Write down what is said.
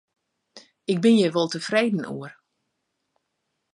Ik bin hjir wol tefreden oer.